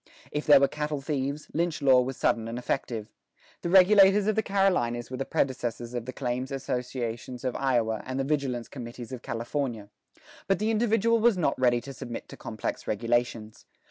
If there were cattle thieves, lynch law was sudden and effective: the regulators of the Carolinas were the predecessors of the claims associations of Iowa and the vigilance committees of California. But the individual was not ready to submit to complex regulations.